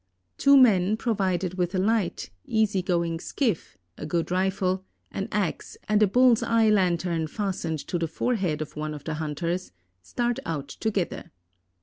Two men, provided with a light, easy going skiff, a good rifle, an ax, and a bull's eye lantern fastened to the forehead of one of the hunters, start out together.